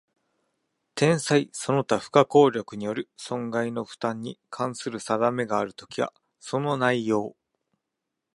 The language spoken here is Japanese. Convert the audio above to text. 天災その他不可抗力による損害の負担に関する定めがあるときは、その内容